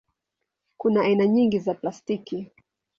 Kuna aina nyingi za plastiki.